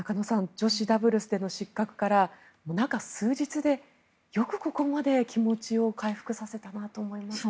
女子ダブルスでの失格から中数日で、よくここまで気持ちを回復させたなと思いますね。